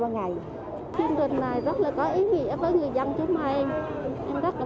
bà phạm thị dân năm nay đã bảy mươi hai tuổi vốn làm nghề rửa bát thuê